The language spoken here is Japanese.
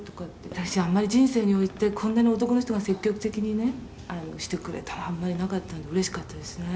「私あんまり人生においてこんなに男の人が積極的にねしてくれたのはあんまりなかったのでうれしかったですね」